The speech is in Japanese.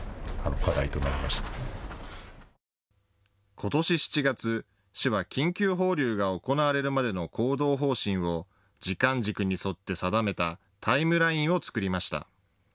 ことし７月、市は緊急放流が行われるまでの行動方針を時間軸に沿って定めたタイムラインを作りました。